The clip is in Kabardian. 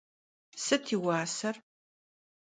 Sıt yi vuaser?